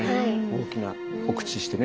大きなお口してね。